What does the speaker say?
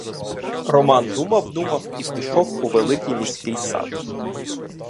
Роман думав, думав і пішов у великий міський сад.